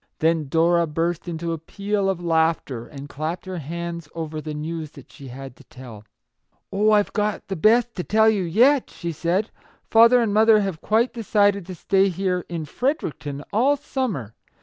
Then Dora burst into a peal of laughter, and clapped her hands over the news that she had to tell. " Oh, I've got the best to tell you yet/' she said. " Father and mother have quite decided to stay here, in Fredericton, all summer